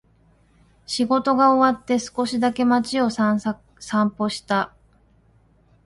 仕事が終わって、少しだけ街を散歩した。